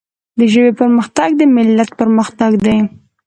د ژبي پرمختګ د ملت پرمختګ دی.